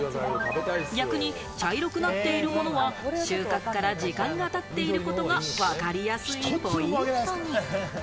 逆に茶色くなってるものは、収穫から時間が経っていることがわかりやすいポイントに。